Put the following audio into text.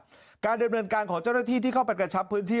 การดำเนินการของเจ้าหน้าที่ที่เข้าไปกระชับพื้นที่